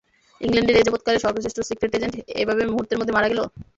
ইংল্যান্ডের এ যাবত-কালের সর্বশ্রেষ্ঠ সিক্রেট এজেন্ট, এভাবে মুহূর্তের মধ্যে মারা গেল।